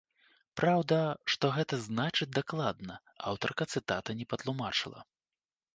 Праўда, што гэта значыць дакладна, аўтарка цытаты не патлумачыла.